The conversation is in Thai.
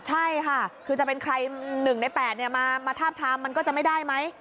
ใช่ค่ะคือจะเป็นใคร๑ใน๘มาทาบทามมันก็จะไม่ได้ไหม